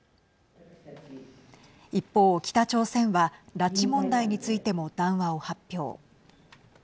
一方、北朝鮮は拉致問題についても談話を発表。